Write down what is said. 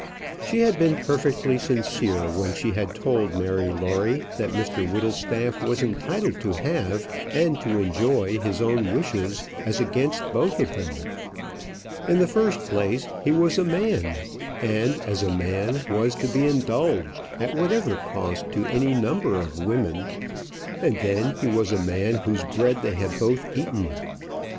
She had been perfectly sincere when she had told Mary Lawrie that Mr Whittlestaff was entitled to have and to enjoy his own wishes as against both of them. In the first place, he was a man, and as a man, was to be indulged, at whatever cost to any number of women. And then he was a man whose bread they had both eaten.